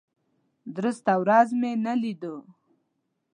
درسته ورځ مې نه لیدو.